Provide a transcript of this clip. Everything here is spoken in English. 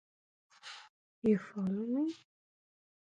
You follow me.